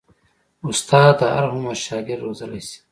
استاد د هر عمر شاګرد روزلی شي.